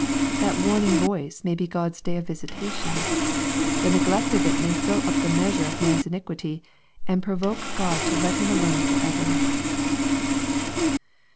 That warning voice may be God's day of visitation." The neglect of it may fill up the measure of a man's iniquity, and provoke God to let him alone forever.